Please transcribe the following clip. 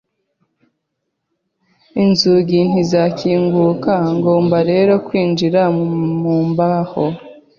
Inzugi ntizakinguka, ngomba rero kwinjira mu mbaho.